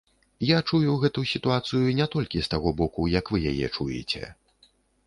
Я чую гэту сітуацыю не толькі з таго боку, як вы яе чуеце.